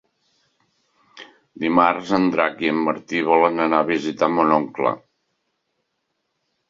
Dimarts en Drac i en Martí volen anar a visitar mon oncle.